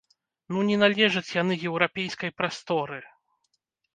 Ну не належаць яны еўрапейскай прасторы.